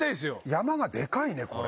山がでかいねこれ。